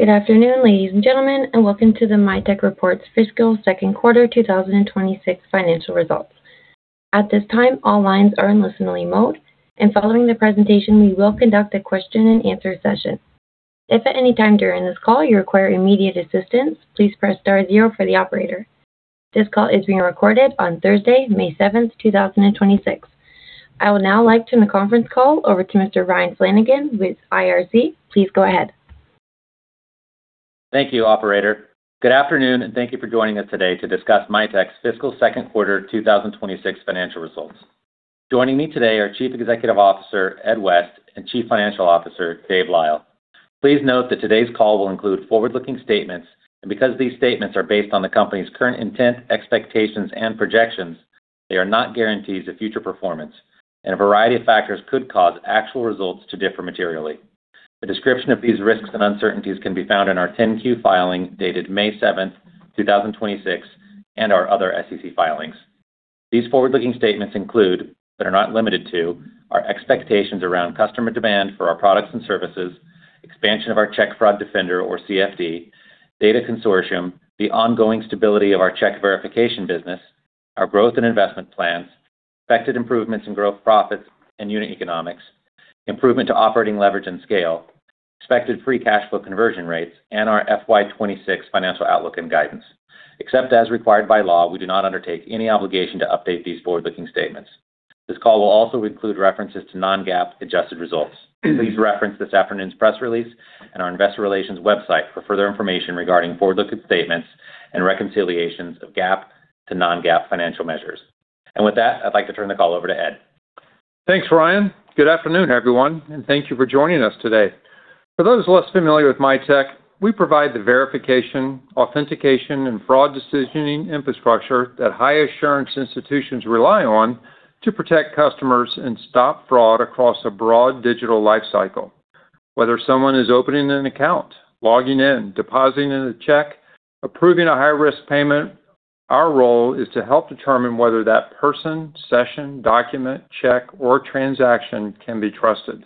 Good afternoon, ladies and gentlemen, welcome to the Mitek Reports Fiscal Second Quarter 2026 financial results. At this time, all lines are in listen-only mode, and following the presentation, we will conduct a question-and-answer session. If at any time during this call you require immediate assistance, please press star zero for the operator. This call is being recorded on Thursday, May 7th, 2026. I would now like to turn the conference call over to Mr. Ryan Flanagan with ICR. Please go ahead. Thank you, Operator. Good afternoon, and thank you for joining us today to discuss Mitek's fiscal second quarter 2026 financial results. Joining me today are Chief Executive Officer, Ed West, and Chief Financial Officer, Dave Lyle. Please note that today's call will include forward-looking statements, and because these statements are based on the company's current intent, expectations, and projections, they are not guarantees of future performance, and a variety of factors could cause actual results to differ materially. A description of these risks and uncertainties can be found in our 10-Q filing dated May 7th, 2026, and our other SEC filings. These forward-looking statements include, but are not limited to, our expectations around customer demand for our products and services, expansion of our Check Fraud Defender or CFD data consortium, the ongoing stability of our Check Verification business, our growth and investment plans, expected improvements in gross profits and unit economics, improvement to operating leverage and scale, expected free cash flow conversion rates, and our FY 2026 financial outlook and guidance. Except as required by law, we do not undertake any obligation to update these forward-looking statements. This call will also include references to non-GAAP adjusted results. Please reference this afternoon's press release and our investor relations website for further information regarding forward-looking statements and reconciliations of GAAP to non-GAAP financial measures. With that, I'd like to turn the call over to Ed. Thanks, Ryan. Good afternoon, everyone, and thank you for joining us today. For those less familiar with Mitek, we provide the verification, authentication, and fraud decisioning infrastructure that high assurance institutions rely on to protect customers and stop fraud across a broad digital life cycle. Whether someone is opening an account, logging in, depositing a check, approving a high-risk payment, our role is to help determine whether that person, session, document, check or transaction can be trusted.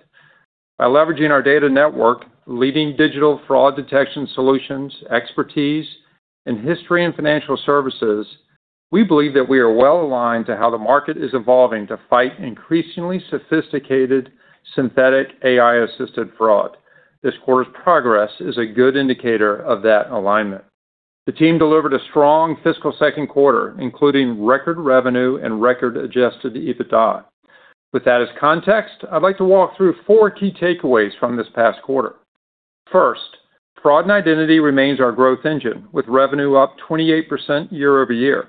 By leveraging our data network, leading digital fraud detection solutions, expertise and history in financial services, we believe that we are well aligned to how the market is evolving to fight increasingly sophisticated synthetic AI-assisted fraud. This quarter's progress is a good indicator of that alignment. The team delivered a strong fiscal second quarter, including record revenue and record adjusted EBITDA. With that as context, I'd like to walk through four key takeaways from this past quarter. First, Fraud and Identity remains our growth engine, with revenue up 28% year-over-year.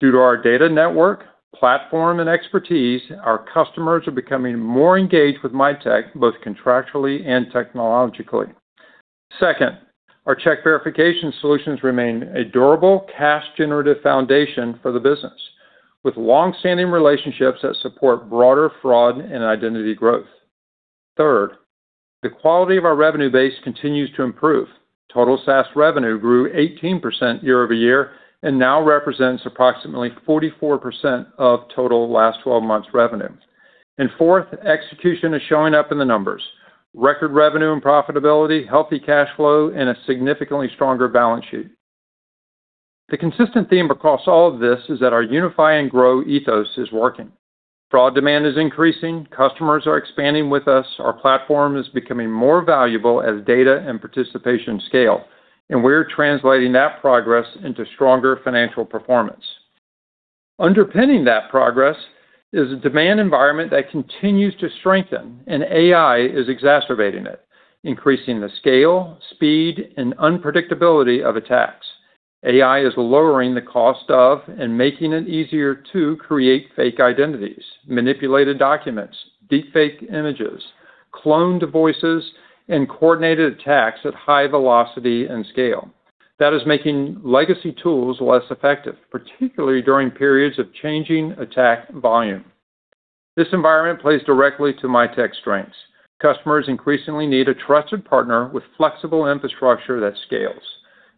Due to our data network, platform and expertise, our customers are becoming more engaged with Mitek, both contractually and technologically. Second, our Check Verification solutions remain a durable cash generative foundation for the business with long-standing relationships that support broader fraud and identity growth. Third, the quality of our revenue base continues to improve. Total SaaS revenue grew 18% year-over-year and now represents approximately 44% of total last 12 months revenue. And fourth, execution is showing up in the numbers. Record revenue and profitability, healthy cash flow, and a significantly stronger balance sheet. The consistent theme across all of this is that our Unify and Grow ethos is working. Fraud demand is increasing. Customers are expanding with us. Our platform is becoming more valuable as data and participation scale, and we're translating that progress into stronger financial performance. Underpinning that progress is a demand environment that continues to strengthen and AI is exacerbating it, increasing the scale, speed and unpredictability of attacks. AI is lowering the cost of and making it easier to create fake identities, manipulated documents, deep fake images, cloned voices, and coordinated attacks at high velocity and scale. That is making legacy tools less effective, particularly during periods of changing attack volume. This environment plays directly to Mitek strengths. Customers increasingly need a trusted partner with flexible infrastructure that scales,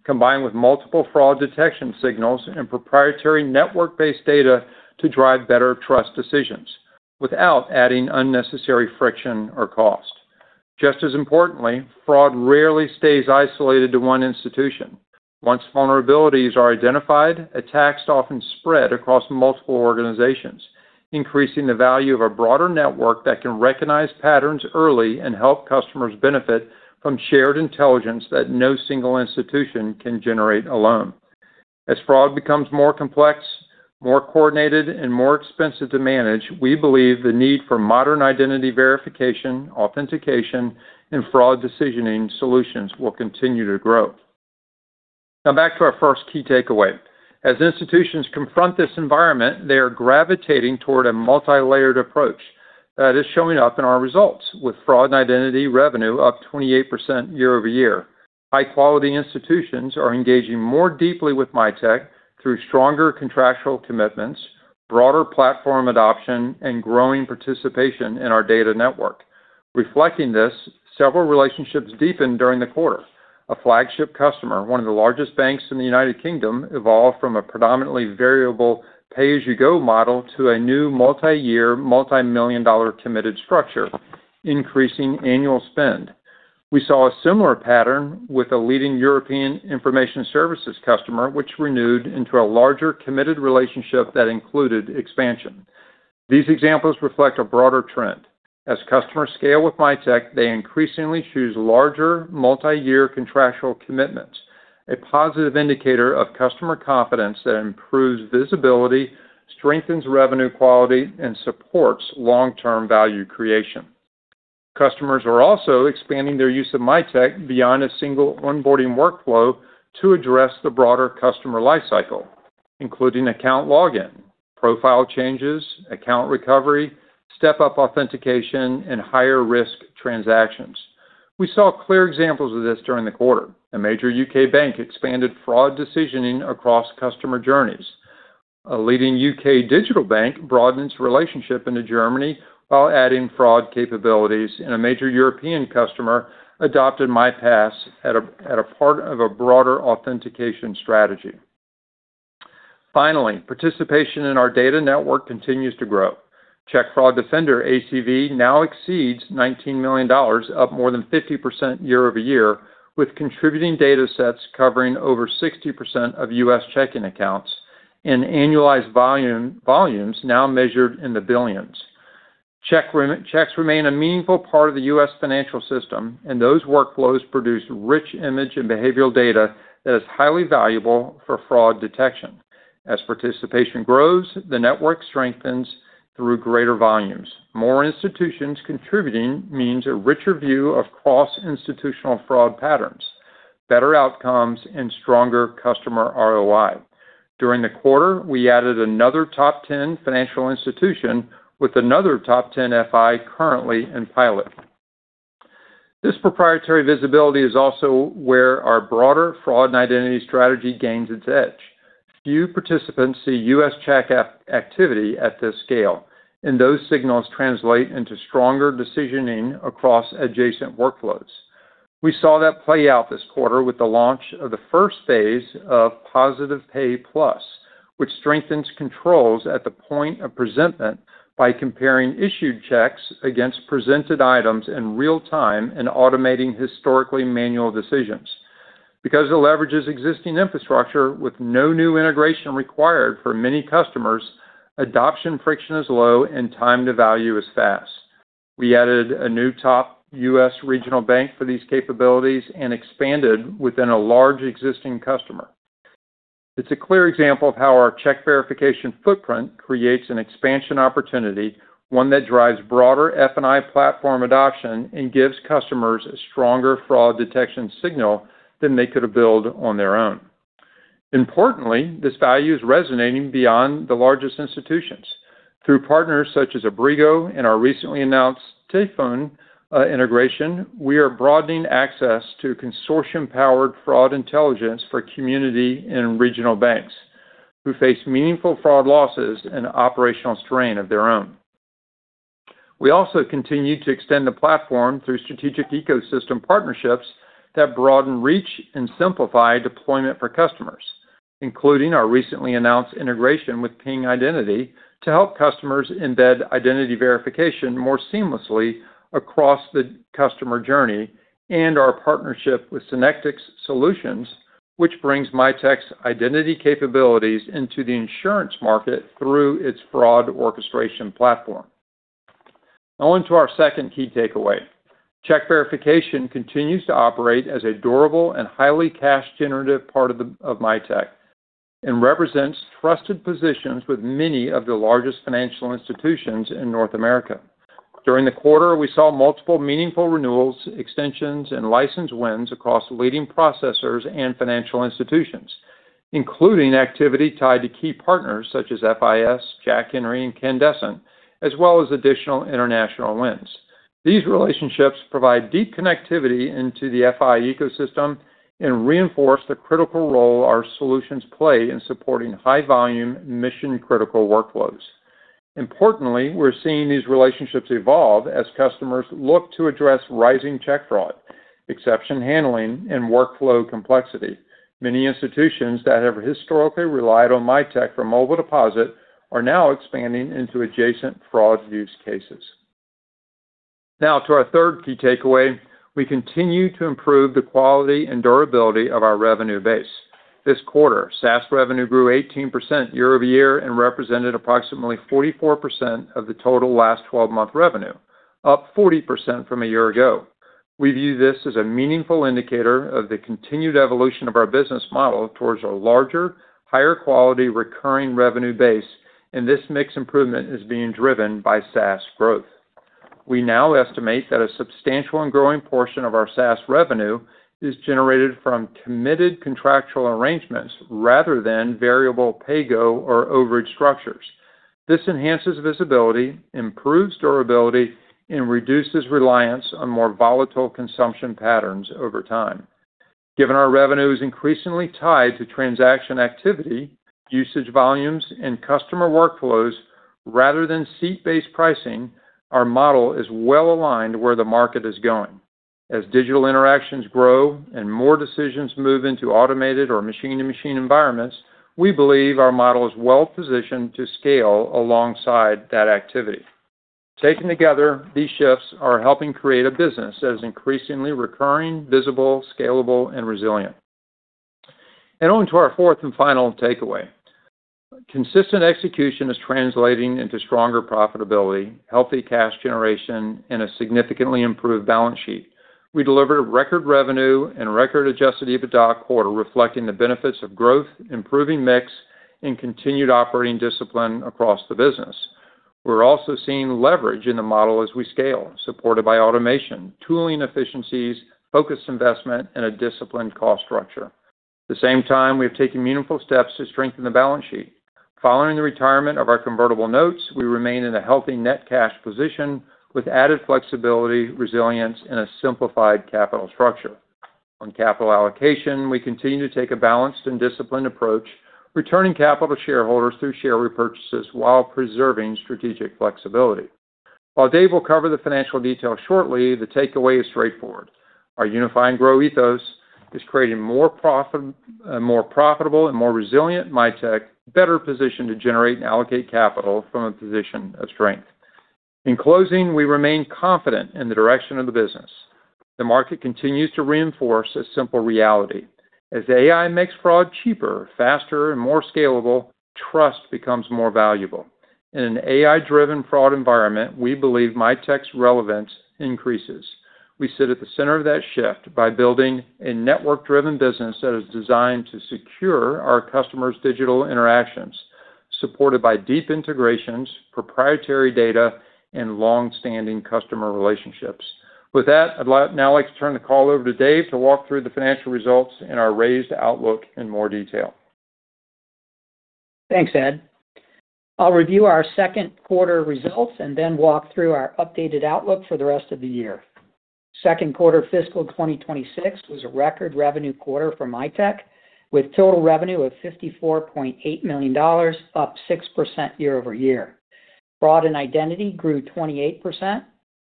combined with multiple fraud detection signals and proprietary network-based data to drive better trust decisions without adding unnecessary friction or cost. Just as importantly, fraud rarely stays isolated to one institution. Once vulnerabilities are identified, attacks often spread across multiple organizations, increasing the value of a broader network that can recognize patterns early and help customers benefit from shared intelligence that no single institution can generate alone. As fraud becomes more complex, more coordinated and more expensive to manage, we believe the need for modern identity verification, authentication, and fraud decisioning solutions will continue to grow. Back to our first key takeaway. As institutions confront this environment, they are gravitating toward a multi-layered approach that is showing up in our results with fraud and identity revenue up 28% year-over-year. High quality institutions are engaging more deeply with Mitek through stronger contractual commitments, broader platform adoption, and growing participation in our data network. Reflecting this, several relationships deepened during the quarter. A flagship customer, one of the largest banks in the United Kingdom, evolved from a predominantly variable pay-as-you-go model to a new multi-year, multi-million dollar committed structure, increasing annual spend. We saw a similar pattern with a leading European information services customer which renewed into a larger committed relationship that included expansion. These examples reflect a broader trend. As customers scale with Mitek, they increasingly choose larger multi-year contractual commitments, a positive indicator of customer confidence that improves visibility, strengthens revenue quality, and supports long-term value creation. Customers are also expanding their use of Mitek beyond a single onboarding workflow to address the broader customer life cycle, including account login, profile changes, account recovery, step-up authentication, and higher-risk transactions. We saw clear examples of this during the quarter. A major U.K. bank expanded fraud decisioning across customer journeys. A leading U.K. digital bank broadened its relationship into Germany while adding fraud capabilities. A major European customer adopted MiPass at a part of a broader authentication strategy. Finally, participation in our data network continues to grow. Check Fraud Defender ACV now exceeds $19 million, up more than 50% year-over-year, with contributing datasets covering over 60% of U.S. checking accounts and annualized volumes now measured in the billions. Checks remain a meaningful part of the U.S. financial system, and those workflows produce rich image and behavioral data that is highly valuable for fraud detection. As participation grows, the network strengthens through greater volumes. More institutions contributing means a richer view of cross-institutional fraud patterns, better outcomes, and stronger customer ROI. During the quarter, we added another top 10 financial institution with another top 10 FI currently in pilot. This proprietary visibility is also where our broader fraud and identity strategy gains its edge. Few participants see U.S. check activity at this scale, and those signals translate into stronger decisioning across adjacent workflows. We saw that play out this quarter with the launch of the first phase of Positive Pay Plus, which strengthens controls at the point of presentment by comparing issued checks against presented items in real time and automating historically manual decisions. Because it leverages existing infrastructure with no new integration required for many customers, adoption friction is low and time to value is fast. We added a new top U.S. regional bank for these capabilities and expanded within a large existing customer. It's a clear example of how our Check Verification footprint creates an expansion opportunity, one that drives broader F&I platform adoption and gives customers a stronger fraud detection signal than they could have built on their own. Importantly, this value is resonating beyond the largest institutions. Through partners such as Abrigo and our recently announced Tyfone integration, we are broadening access to consortium-powered fraud intelligence for community and regional banks who face meaningful fraud losses and operational strain of their own. We also continue to extend the platform through strategic ecosystem partnerships that broaden reach and simplify deployment for customers, including our recently announced integration with Ping Identity to help customers embed identity verification more seamlessly across the customer journey and our partnership with Synectics Solutions, which brings Mitek's identity capabilities into the insurance market through its fraud orchestration platform. Now on to our second key takeaway. Check Verification continues to operate as a durable and highly cash-generative part of Mitek and represents trusted positions with many of the largest financial institutions in North America. During the quarter, we saw multiple meaningful renewals, extensions, and license wins across leading processors and financial institutions, including activity tied to key partners such as FIS, Jack Henry, and Candescent, as well as additional international wins. These relationships provide deep connectivity into the FI ecosystem and reinforce the critical role our solutions play in supporting high-volume, mission-critical workflows. Importantly, we're seeing these relationships evolve as customers look to address rising check fraud, exception handling, and workflow complexity. Many institutions that have historically relied on Mitek for Mobile Deposit are now expanding into adjacent fraud use cases. Now to our third key takeaway. We continue to improve the quality and durability of our revenue base. This quarter, SaaS revenue grew 18% year-over-year and represented approximately 44% of the total last 12-month revenue, up 40% from a year ago. We view this as a meaningful indicator of the continued evolution of our business model towards a larger, higher quality recurring revenue base. This mix improvement is being driven by SaaS growth. We now estimate that a substantial and growing portion of our SaaS revenue is generated from committed contractual arrangements rather than variable pay-go or overage structures. This enhances visibility, improves durability, and reduces reliance on more volatile consumption patterns over time. Given our revenue is increasingly tied to transaction activity, usage volumes, and customer workflows rather than seat-based pricing, our model is well-aligned where the market is going. As digital interactions grow and more decisions move into automated or machine-to-machine environments, we believe our model is well-positioned to scale alongside that activity. Taken together, these shifts are helping create a business that is increasingly recurring, visible, scalable, and resilient. On to our fourth and final takeaway. Consistent execution is translating into stronger profitability, healthy cash generation, and a significantly improved balance sheet. We delivered record revenue and record adjusted EBITDA quarter reflecting the benefits of growth, improving mix, and continued operating discipline across the business. We're also seeing leverage in the model as we scale, supported by automation, tooling efficiencies, focused investment, and a disciplined cost structure. At the same time, we have taken meaningful steps to strengthen the balance sheet. Following the retirement of our convertible notes, we remain in a healthy net cash position with added flexibility, resilience, and a simplified capital structure. On capital allocation, we continue to take a balanced and disciplined approach, returning capital to shareholders through share repurchases while preserving strategic flexibility. While Dave will cover the financial details shortly, the takeaway is straightforward. Our Unify and Grow ethos is creating a more profitable and more resilient Mitek better positioned to generate and allocate capital from a position of strength. In closing, we remain confident in the direction of the business. The market continues to reinforce a simple reality. As AI makes fraud cheaper, faster, and more scalable, trust becomes more valuable. In an AI-driven fraud environment, we believe Mitek's relevance increases. We sit at the center of that shift by building a network-driven business that is designed to secure our customers' digital interactions, supported by deep integrations, proprietary data, and long-standing customer relationships. With that, now like to turn the call over to Dave to walk through the financial results and our raised outlook in more detail. Thanks, Ed. I'll review our second quarter results and then walk through our updated outlook for the rest of the year. Second quarter fiscal 2026 was a record revenue quarter for Mitek, with total revenue of $54.8 million, up 6% year-over-year. Fraud and Identity grew 28%,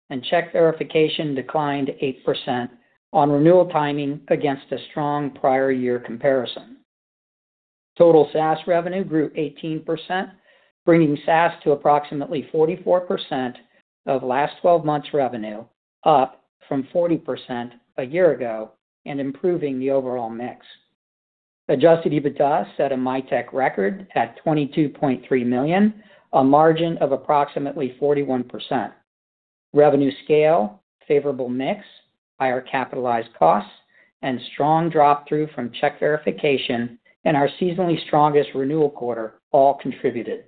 and Check Verification declined 8% on renewal timing against a strong prior year comparison. Total SaaS revenue grew 18%, bringing SaaS to approximately 44% of last 12 months revenue, up from 40% a year ago and improving the overall mix. Adjusted EBITDA set a Mitek record at $22.3 million, a margin of approximately 41%. Revenue scale, favorable mix, higher capitalized costs, and strong drop-through from Check Verification and our seasonally strongest renewal quarter all contributed.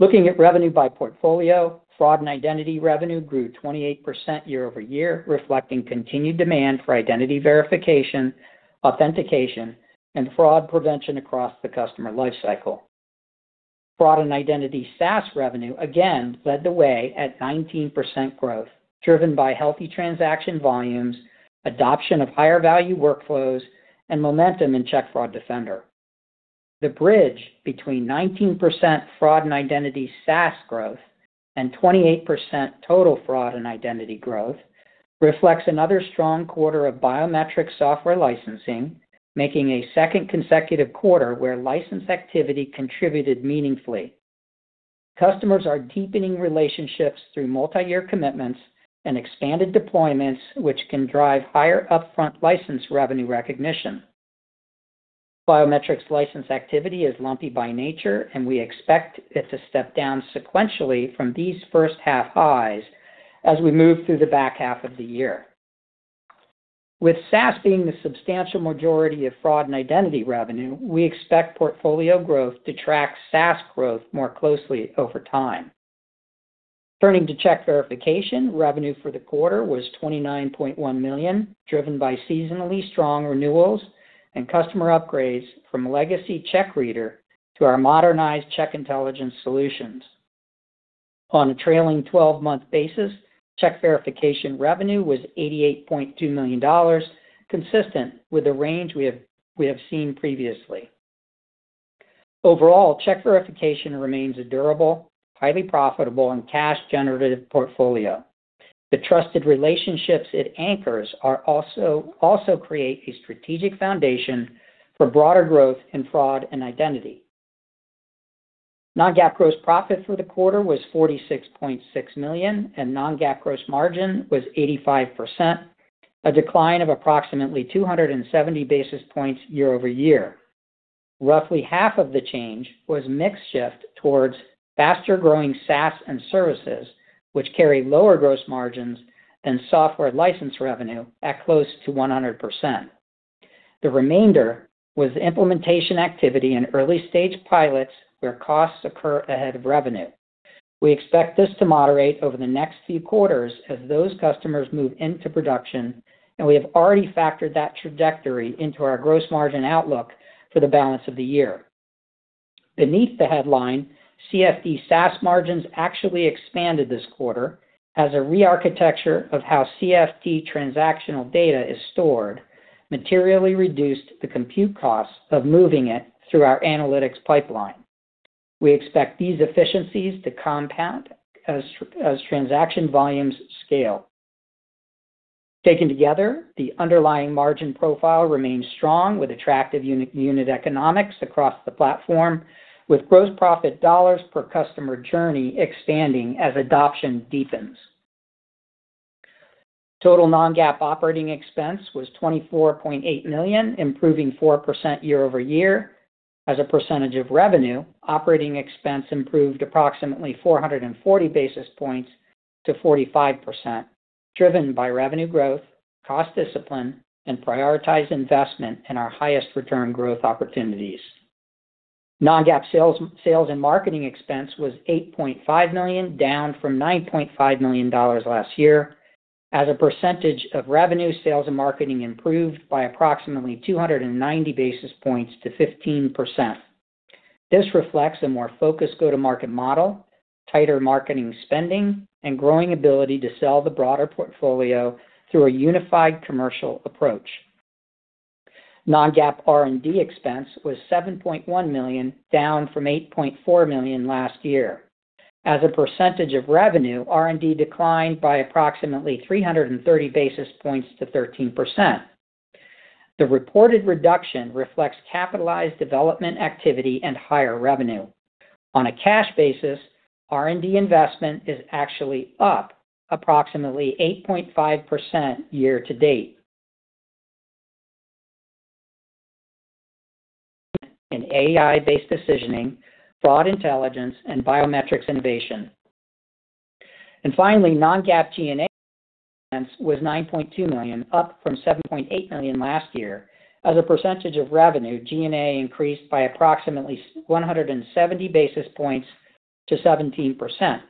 Looking at revenue by portfolio, Fraud and Identity revenue grew 28% year-over-year, reflecting continued demand for identity verification, authentication, and fraud prevention across the customer lifecycle. Fraud and Identity SaaS revenue again led the way at 19% growth, driven by healthy transaction volumes, adoption of higher-value workflows, and momentum in Check Fraud Defender. The bridge between 19% Fraud and Identity SaaS growth and 28% total Fraud and Identity growth reflects another strong quarter of biometric software licensing, making a second consecutive quarter where license activity contributed meaningfully. Customers are deepening relationships through multiyear commitments and expanded deployments which can drive higher upfront license revenue recognition. Biometrics license activity is lumpy by nature, and we expect it to step down sequentially from these first half highs as we move through the back half of the year. With SaaS being the substantial majority of Fraud and Identity revenue, we expect portfolio growth to track SaaS growth more closely over time. Turning to Check Verification, revenue for the quarter was $29.1 million, driven by seasonally strong renewals and customer upgrades from legacy CheckReader to our modernized Check Intelligence solutions. On a trailing 12-month basis, Check Verification revenue was $88.2 million, consistent with the range we have seen previously. Overall, Check Verification remains a durable, highly profitable, and cash-generative portfolio. The trusted relationships it anchors also create a strategic foundation for broader growth in Fraud and Identity. Non-GAAP gross profit for the quarter was $46.6 million, and non-GAAP gross margin was 85%, a decline of approximately 270 basis points year-over-year. Roughly half of the change was mix shift towards faster-growing SaaS and services, which carry lower gross margins than software license revenue at close to 100%. The remainder was implementation activity in early-stage pilots where costs occur ahead of revenue. We expect this to moderate over the next few quarters as those customers move into production, and we have already factored that trajectory into our gross margin outlook for the balance of the year. Beneath the headline, CFD SaaS margins actually expanded this quarter as a rearchitecture of how CFD transactional data is stored materially reduced the compute costs of moving it through our analytics pipeline. We expect these efficiencies to compound as transaction volumes scale. Taken together, the underlying margin profile remains strong with attractive uni-unit economics across the platform, with gross profit dollars per customer journey expanding as adoption deepens. Total non-GAAP operating expense was $24.8 million, improving 4% year-over-year. As a percentage of revenue, operating expense improved approximately 440 basis points to 45%, driven by revenue growth, cost discipline, and prioritized investment in our highest return growth opportunities. Non-GAAP sales and marketing expense was $8.5 million, down from $9.5 million last year. As a percentage of revenue, sales and marketing improved by approximately 290 basis points to 15%. This reflects a more focused go-to-market model, tighter marketing spending, and growing ability to sell the broader portfolio through a unified commercial approach. Non-GAAP R&D expense was $7.1 million, down from $8.4 million last year. As a percentage of revenue, R&D declined by approximately 330 basis points to 13%. The reported reduction reflects capitalized development activity and higher revenue. On a cash basis, R&D investment is actually up approximately 8.5% year-to-date. And AI-based decisioning, fraud intelligence, and biometrics innovation. Finally, non-GAAP G&A expense was $9.2 million, up from $7.8 million last year. As a percentage of revenue, G&A increased by approximately 170 basis points to 17%.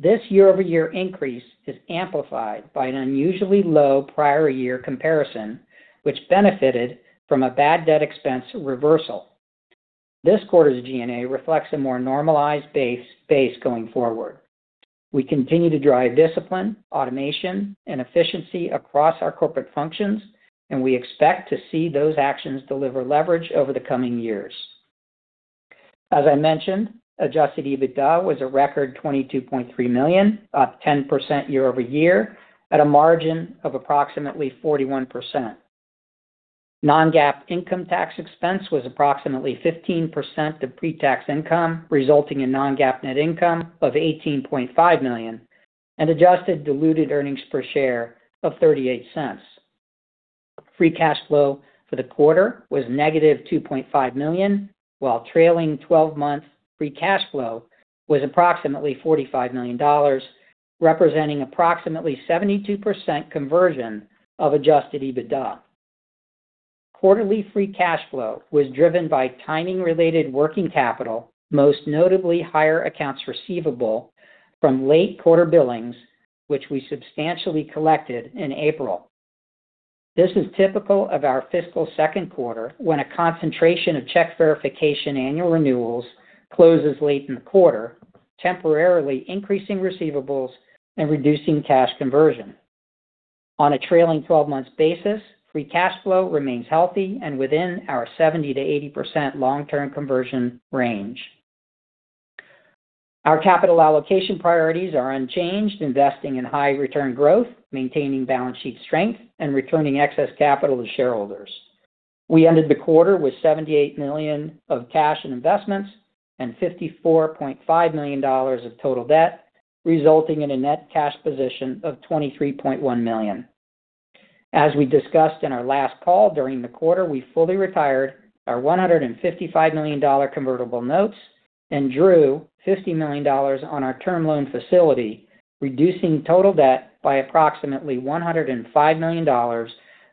This year-over-year increase is amplified by an unusually low prior year comparison, which benefited from a bad debt expense reversal. This quarter's G&A reflects a more normalized base going forward. We continue to drive discipline, automation, and efficiency across our corporate functions, and we expect to see those actions deliver leverage over the coming years. As I mentioned, adjusted EBITDA was a record $22.3 million, up 10% year-over-year at a margin of approximately 41%. Non-GAAP income tax expense was approximately 15% of pre-tax income, resulting in non-GAAP net income of $18.5 million and adjusted diluted earnings per share of $0.38. Free cash flow for the quarter was negative $2.5 million, while trailing 12-month free cash flow was approximately $45 million, representing approximately 72% conversion of adjusted EBITDA. Quarterly free cash flow was driven by timing-related working capital, most notably higher accounts receivable from late quarter billings, which we substantially collected in April. This is typical of our fiscal second quarter, when a concentration of Check Verification annual renewals closes late in the quarter, temporarily increasing receivables and reducing cash conversion. On a trailing 12-months basis, free cash flow remains healthy and within our 70%-80% long-term conversion range. Our capital allocation priorities are unchanged, investing in high return growth, maintaining balance sheet strength, and returning excess capital to shareholders. We ended the quarter with $78 million of cash and investments and $54.5 million of total debt, resulting in a net cash position of $23.1 million. As we discussed in our last call, during the quarter, we fully retired our $155 million convertible notes and drew $50 million on our term loan facility, reducing total debt by approximately $105 million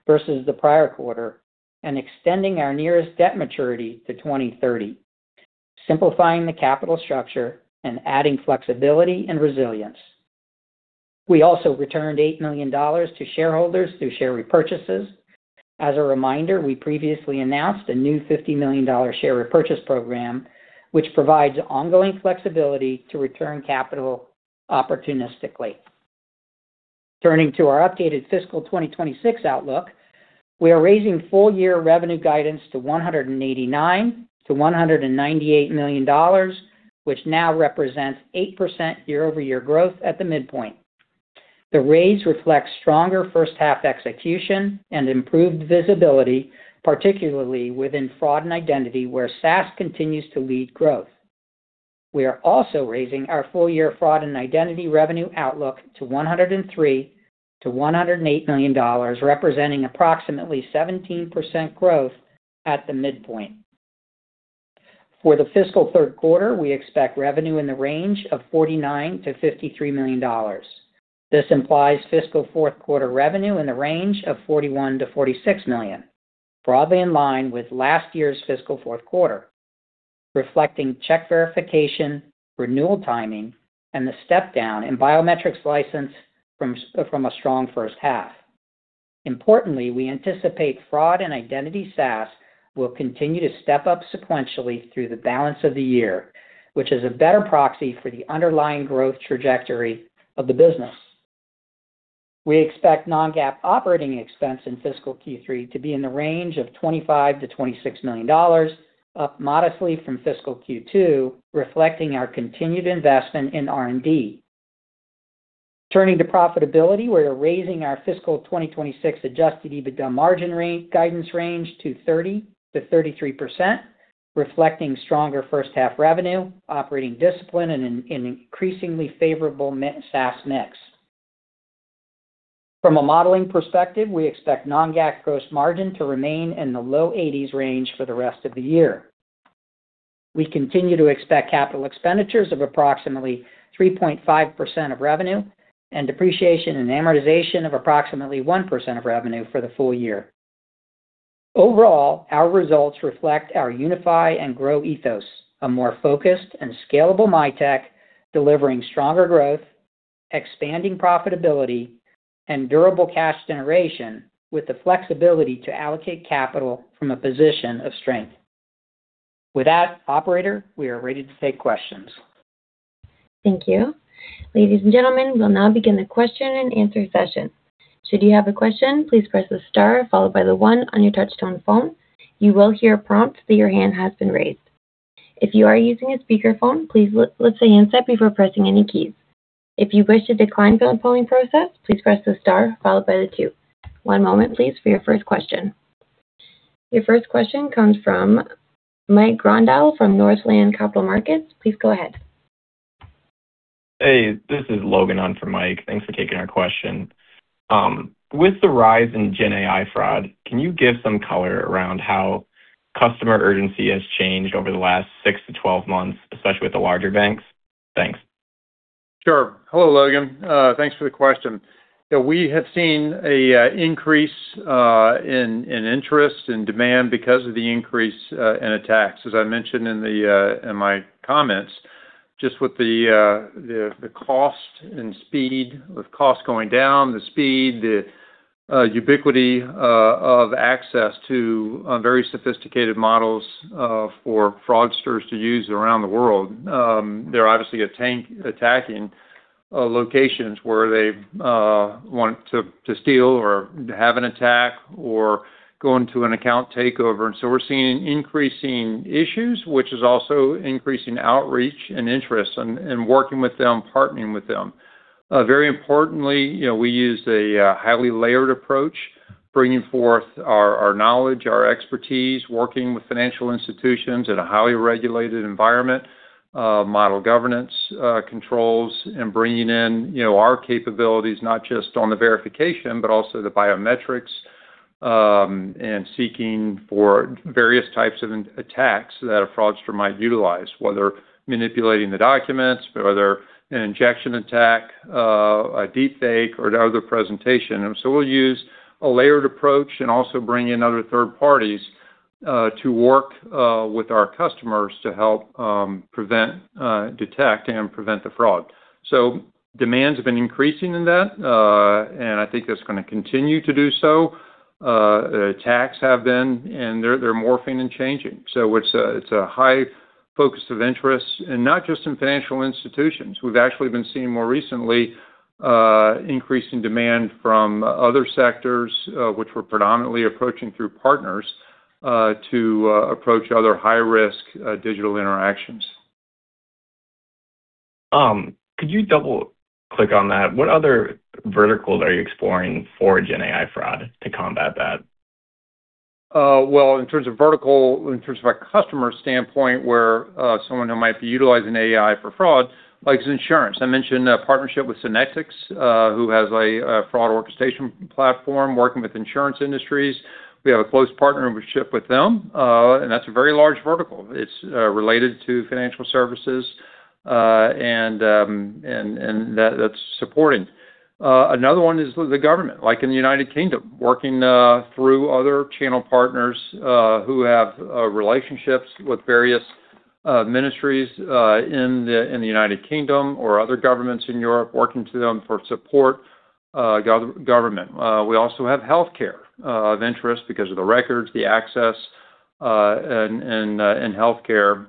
versus the prior quarter and extending our nearest debt maturity to 2030, simplifying the capital structure and adding flexibility and resilience. We also returned $8 million to shareholders through share repurchases. As a reminder, we previously announced a new $50 million share repurchase program, which provides ongoing flexibility to return capital opportunistically. Turning to our updated fiscal 2026 outlook, we are raising full-year revenue guidance to $189 million-$198 million, which now represents 8% year-over-year growth at the midpoint. The raise reflects stronger first half execution and improved visibility, particularly within Fraud and Identity, where SaaS continues to lead growth. We are also raising our full-year Fraud and Identity revenue outlook to $103 million-$108 million, representing approximately 17% growth at the midpoint. For the fiscal third quarter, we expect revenue in the range of $49 million-$53 million. This implies fiscal fourth quarter revenue in the range of $41 million-$46 million, broadly in line with last year's fiscal fourth quarter, reflecting check verification, renewal timing, and the step down in biometrics license from a strong first half. Importantly, we anticipate Fraud and Identity SaaS will continue to step up sequentially through the balance of the year, which is a better proxy for the underlying growth trajectory of the business. We expect non-GAAP operating expense in fiscal Q3 to be in the range of $25 million-$26 million, up modestly from fiscal Q2, reflecting our continued investment in R&D. Turning to profitability, we are raising our fiscal 2026 adjusted EBITDA margin guidance range to 30%-33%. Reflecting stronger first half revenue, operating discipline in an increasingly favorable SaaS mix. From a modeling perspective, we expect non-GAAP gross margin to remain in the low 80s range for the rest of the year. We continue to expect capital expenditures of approximately 3.5% of revenue and depreciation and amortization of approximately 1% of revenue for the full year. Overall, our results reflect our unify and grow ethos, a more focused and scalable Mitek delivering stronger growth, expanding profitability and durable cash generation with the flexibility to allocate capital from a position of strength. With that, Operator, we are ready to take questions. Thank you. Ladies and gentlemen, we'll now begin the question and answer session. Should you have a question, please press the star followed by the one on your touch-tone phone. You will hear a prompt that your hand has been raised. If you are using a speakerphone, please lift the handset before pressing any keys. If you wish to decline from the polling process, please press the star followed by the two. One moment please for your first question. Your first question comes from Mike Grondahl from Northland Capital Markets. Please go ahead. Hey, this is Logan on for Mike. Thanks for taking our question. With the rise in Gen AI fraud, can you give some color around how customer urgency has changed over the last six to 12 months, especially with the larger banks? Thanks. Sure. Hello, Logan. Thanks for the question. Yeah, we have seen a increase in interest and demand because of the increase in attacks. As I mentioned in my comments, just with the cost and speed, with cost going down, the speed, the ubiquity of access to a very sophisticated models for fraudsters to use around the world. They're obviously attacking locations where they want to steal or have an attack or go into an account takeover. We're seeing increasing issues, which is also increasing outreach and interest and working with them, partnering with them. Very importantly, you know, we use a highly layered approach, bringing forth our knowledge, our expertise, working with financial institutions in a highly regulated environment, model governance, controls, and bringing in, you know, our capabilities, not just on the verification, but also the biometrics, and seeking for various types of attacks that a fraudster might utilize, whether manipulating the documents or they're an injection attack, a deep fake or other presentation. We'll use a layered approach and also bring in other third parties to work with our customers to help prevent, detect and prevent the fraud. Demands have been increasing in that, and I think that's gonna continue to do so. Attacks have been and they're morphing and changing. It's a high focus of interest. And not just in financial institutions. We've actually been seeing more recently, increase in demand from other sectors, which we're predominantly approaching through partners, to approach other high risk, digital interactions. Could you double click on that? What other verticals are you exploring for Gen AI fraud to combat that? Well, in terms of vertical, in terms of a customer standpoint, where someone who might be utilizing AI for fraud, like insurance. I mentioned a partnership with Synectics, who has a fraud orchestration platform working with insurance industries. We have a close partnership with them, and that's a very large vertical. It's related to financial services, and that's supporting. Another one is the government, like in the United Kingdom, working through other channel partners, who have relationships with various ministries in the United Kingdom or other governments in Europe, working to them for support, government. We also have healthcare, of interest because of the records, the access in healthcare,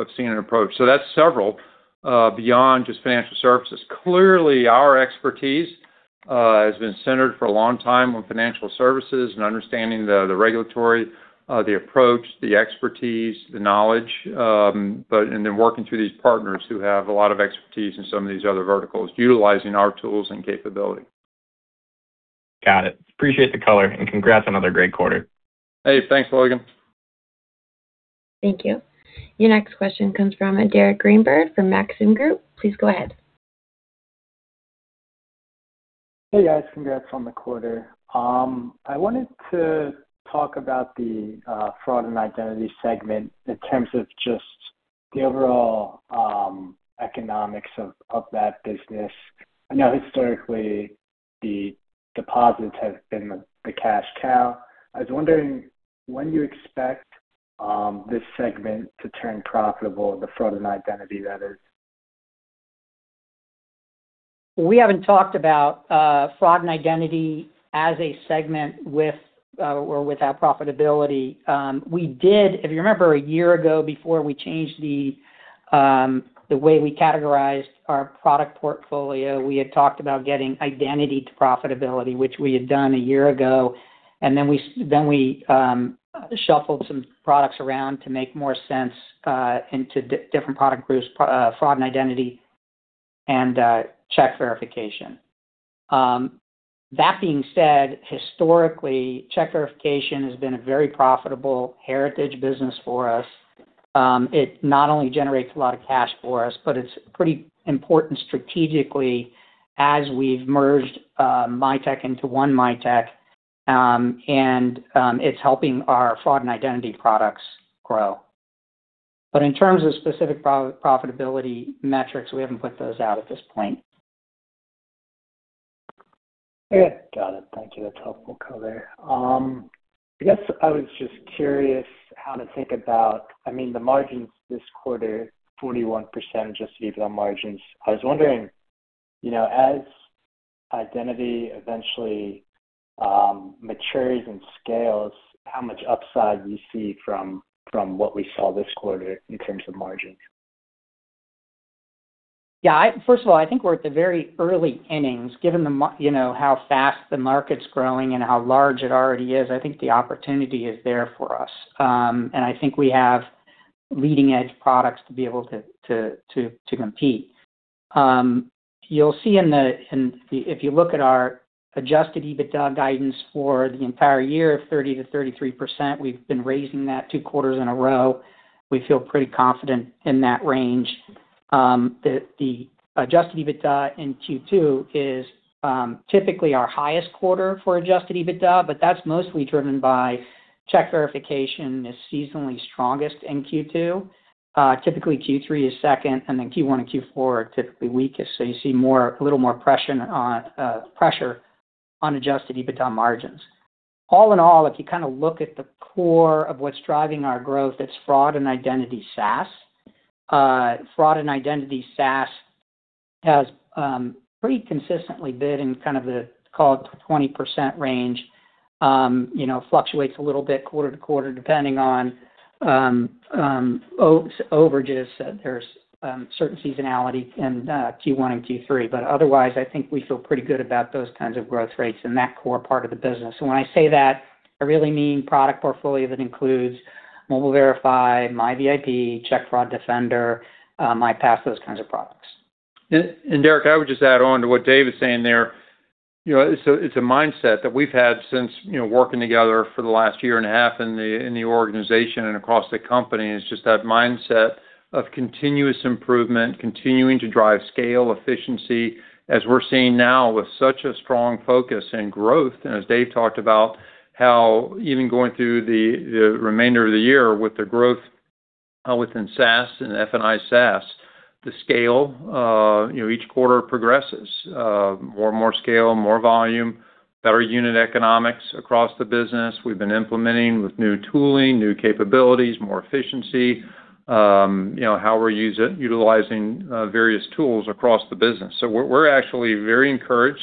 I've seen an approach. So that's several beyond just financial services. Clearly, our expertise has been centered for a long time on financial services and understanding the regulatory, the approach, the expertise, the knowledge, but then working through these partners who have a lot of expertise in some of these other verticals, utilizing our tools and capability. Got it. Appreciate the color, and congrats on another great quarter. Hey, thanks, Logan. Thank you. Your next question comes from Derek Greenberg from Maxim Group. Please go ahead. Hey, guys. Congrats on the quarter. I wanted to talk about the Fraud and Identity segment in terms of just the overall economics of that business. I know historically the deposits have been the cash cow. I was wondering when you expect this segment to turn profitable, the Fraud and Identity, that is. We haven't talked about Fraud and Identity as a segment with or without profitability. If you remember a year ago, before we changed the way we categorized our product portfolio, we had talked about getting identity to profitability, which we had done a year ago. And then we shuffled some products around to make more sense into different product groups, Fraud and Identity and Check Verification. That being said, historically, Check Verification has been a very profitable heritage business for us. It not only generates a lot of cash for us, but it's pretty important strategically as we've merged Mitek into One Mitek. And it's helping our Fraud and Identity products grow. But in terms of specific pro-profitability metrics, we haven't put those out at this point. Okay. Got it. Thank you. That's helpful color. I guess I was just curious how to think about I mean, the margins this quarter, 41% adjusted EBITDA margins. I was wondering, you know, as identity eventually matures and scales, how much upside do you see from what we saw this quarter in terms of margins? Yeah, first of all, I think we're at the very early innings given the market, you know, how fast the market's growing and how large it already is. I think the opportunity is there for us. And I think we have leading-edge products to be able to compete. You'll see in the... If you look at our adjusted EBITDA guidance for the entire year of 30%-33%, we've been raising that two quarters in a row. We feel pretty confident in that range. The adjusted EBITDA in Q2 is typically our highest quarter for adjusted EBITDA, but that's mostly driven by Check Verification is seasonally strongest in Q2. Typically Q3 is second, Q1 and Q4 are typically weakest. You see a little more pressure on adjusted EBITDA margins. All in all, if you kind of look at the core of what's driving our growth, it's Fraud and Identity SaaS. Fraud and Identity SaaS has pretty consistently been in kind of the, call it 20% range. You know, fluctuates a little bit quarter to quarter, depending on overages. There's certain seasonality in Q1 and Q3. Otherwise, I think we feel pretty good about those kinds of growth rates in that core part of the business. When I say that, I really mean product portfolio that includes Mobile Verify, MiVIP, Check Fraud Defender, MiPass, those kinds of products. Derek, I would just add on to what Dave is saying there. You know, it's a mindset that we've had since, you know, working together for the last year and a half in the organization and across the company, and it's just that mindset of continuous improvement, continuing to drive scale, efficiency. As we're seeing now with such a strong focus in growth, and as Dave talked about, how even going through the remainder of the year with the growth within SaaS and F&I SaaS, the scale, you know, each quarter progresses. More and more scale, more volume, better unit economics across the business. We've been implementing with new tooling, new capabilities, more efficiency, you know, how we're utilizing various tools across the business. We're actually very encouraged,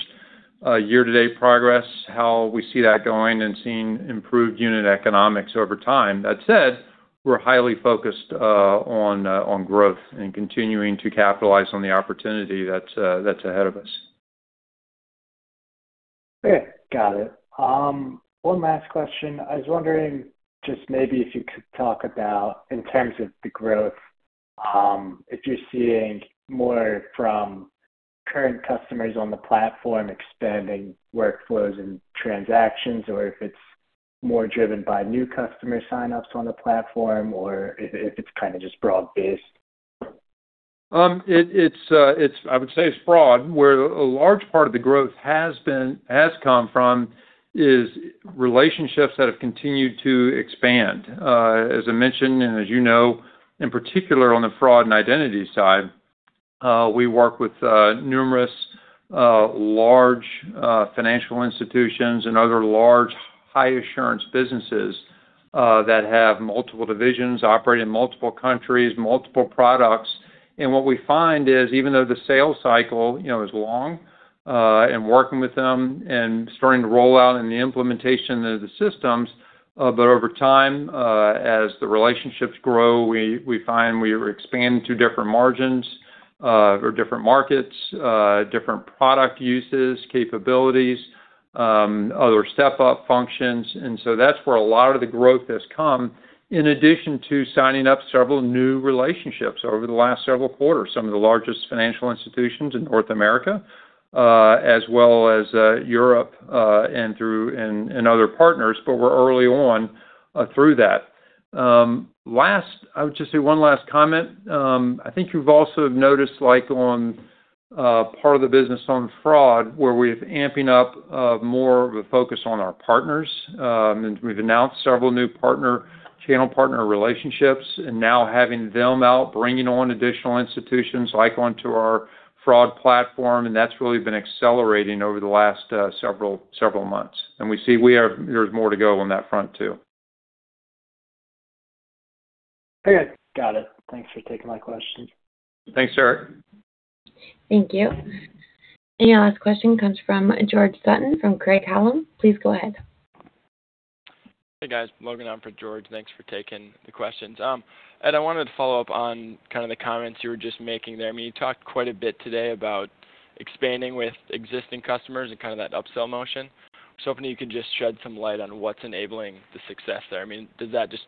year-to-date progress, how we see that going and seeing improved unit economics over time. That said, we're highly focused, on growth and continuing to capitalize on the opportunity that's ahead of us. Okay. Got it. One last question. I was wondering just maybe if you could talk about in terms of the growth, if you're seeing more from current customers on the platform expanding workflows and transactions or if it's more driven by new customer sign-ups on the platform or if it's kinda just broad-based? It's a... I would say it's broad, where a large part of the growth has come from is relationships that have continued to expand. As I mentioned and as you know, in particular on the Fraud and Identity side, we work with numerous large financial institutions and other large high-assurance businesses that have multiple divisions operating in multiple countries, multiple products. And what we find is, even though the sales cycle, you know, is long, and working with them and starting to roll out and the implementation of the systems, but over time, as the relationships grow, we find we expand to different margins, or different markets, different product uses, capabilities, other step-up functions. So that's where a lot of the growth has come, in addition to signing up several new relationships over the last several quarters, some of the largest financial institutions in North America, as well as Europe, and through, and other partners, but we're early on through that. Last, I would just say one last comment. I think you've also noticed like on part of the business on fraud where we've amping up more of a focus on our partners. We've announced several new channel partner relationships and now having them out bringing on additional institutions like onto our fraud platform, and that's really been accelerating over the last several months. There's more to go on that front too. Okay. Got it. Thanks for taking my questions. Thanks, Derek. Thank you. Your last question comes from George Sutton from Craig-Hallum. Please go ahead. Hey, guys. Logan on for George. Thanks for taking the questions. Ed, I wanted to follow up on kind of the comments you were just making there. I mean, you talked quite a bit today about expanding with existing customers and kind of that upsell motion. I was hoping you could just shed some light on what's enabling the success there. I mean, does that just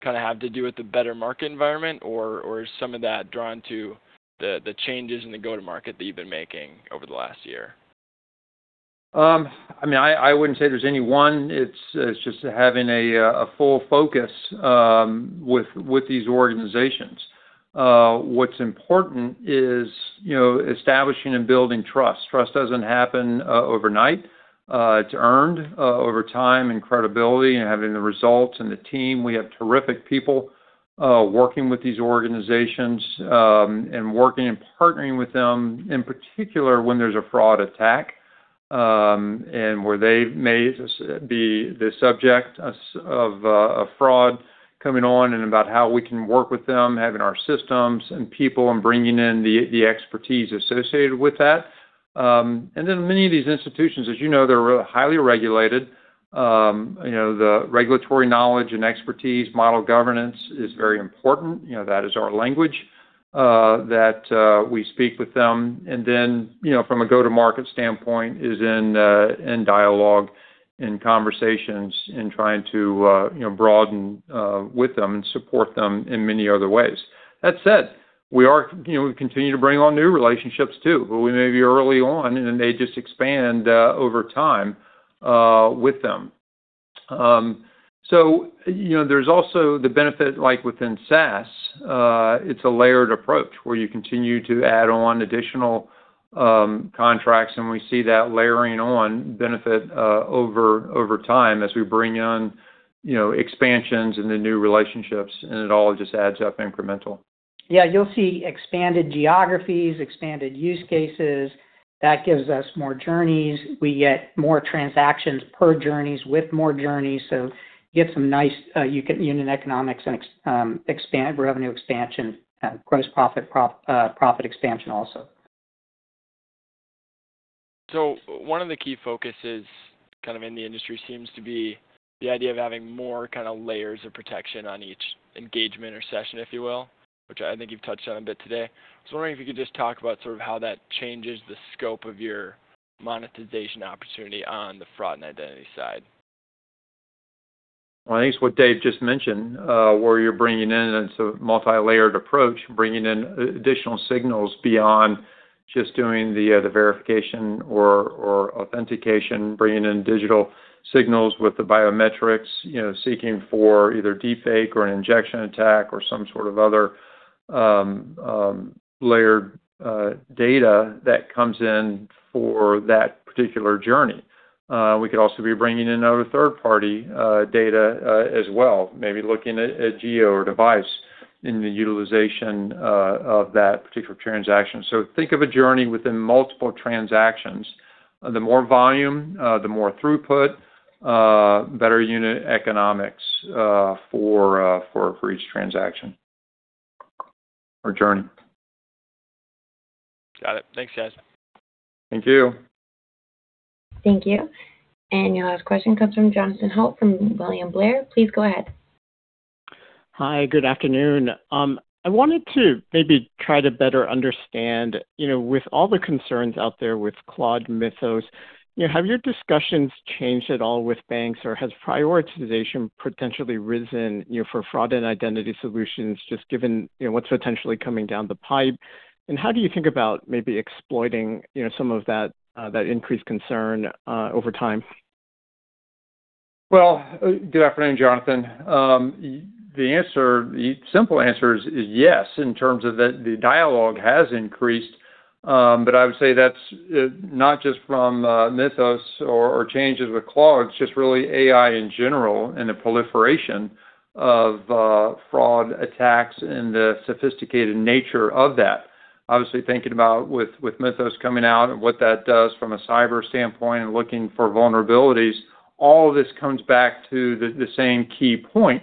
kind of have to do with the better market environment, or is some of that drawn to the changes in the go-to-market that you've been making over the last year? I mean, I wouldn't say there's any one. It's just having a full focus with these organizations. What's important is, you know, establishing and building trust. Trust doesn't happen overnight. It's earned over time, credibility, and having the results and the team. We have terrific people working with these organizations, working and partnering with them, in particular when there's a fraud attack, and where they may be the subject of a fraud coming on and about how we can work with them, having our systems and people and bringing in the expertise associated with that. Many of these institutions, as you know, they're highly regulated. You know, the regulatory knowledge and expertise, model governance is very important. You know, that is our language that we speak with them. And then, you know, from a go-to-market standpoint is in dialogue, in conversations, in trying to, you know, broaden with them and support them in many other ways. That said, we continue to bring on new relationships too, but we may be early on, and then they just expand over time with them. You know, there's also the benefit, like within SaaS, it's a layered approach where you continue to add on additional contracts, and we see that layering on benefit over time as we bring on, you know, expansions in the new relationships, and it all just adds up incremental. Yeah. You'll see expanded geographies, expanded use cases. That gives us more journeys. We get more transactions per journeys with more journeys, so you get some nice, you get unit economics and revenue expansion, gross profit expansion also. One of the key focuses kind of in the industry seems to be the idea of having more kinda layers of protection on each engagement or session, if you will, which I think you've touched on a bit today. I was wondering if you could just talk about sort of how that changes the scope of your monetization opportunity on the Fraud and Identity side. Well, I think it's what Dave just mentioned, where you're bringing in, and it's a multilayered approach, bringing in additional signals beyond just doing the verification or authentication, bringing in digital signals with the biometrics, you know, seeking for either deep fake or an injection attack or some sort of other layered data that comes in for that particular journey. We could also be bringing in other third-party data as well, maybe looking at geo or device in the utilization of that particular transaction. Think of a journey within multiple transactions. The more volume, the more throughput, better unit economics for each transaction or journey. Got it. Thanks, guys. Thank you. Thank you. Your last question comes from Jonathan Ho from William Blair. Please go ahead. Hi. Good afternoon. I wanted to maybe try to better understand, you know, with all the concerns out there with Claude Mythos, you know, have your discussions changed at all with banks, or has prioritization potentially risen, you know, for Fraud and Identity solutions, just given, you know, what's potentially coming down the pipe? How do you think about maybe exploiting, you know, some of that increased concern over time? Well, good afternoon, Jonathan. The answer, the simple answer is yes, in terms of the dialogue has increased. I would say that's not just from Mythos or changes with Claude, it's just really AI in general and the proliferation of fraud attacks and the sophisticated nature of that. Obviously, thinking about with Mythos coming out and what that does from a cyber standpoint and looking for vulnerabilities, all this comes back to the same key point,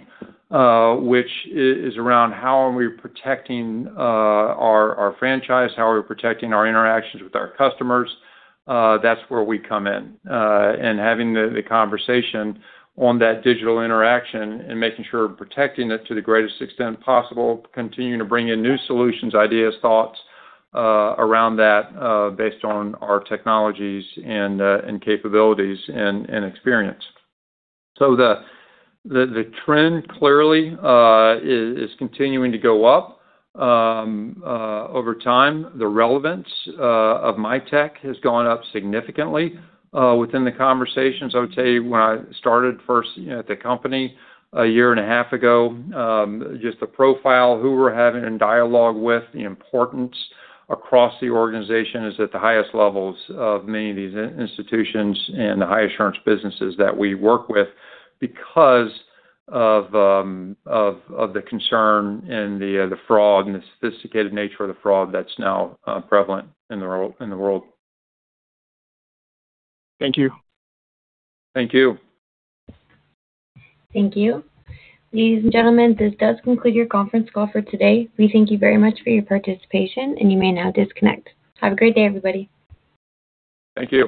which is around how are we protecting our franchise, how are we protecting our interactions with our customers. That's where we come in. Having the conversation on that digital interaction and making sure we're protecting it to the greatest extent possible, continuing to bring in new solutions, ideas, thoughts around that, based on our technologies and capabilities and experience. The trend clearly is continuing to go up over time. The relevance of Mitek has gone up significantly within the conversations. I would tell you when I started first, you know, at the company a year and a half ago, just the profile, who we're having a dialogue with, the importance across the organization is at the highest levels of many of these institutions and the high assurance businesses that we work with because of the concern and the fraud and the sophisticated nature of the fraud that's now prevalent in the world. Thank you. Thank you. Thank you. Ladies and gentlemen, this does conclude your conference call for today. We thank you very much for your participation, and you may now disconnect. Have a great day, everybody. Thank you.